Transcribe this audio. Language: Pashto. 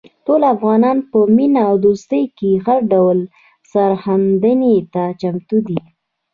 ټول افغانان په مینه او دوستۍ کې هر ډول سرښندنې ته چمتو دي.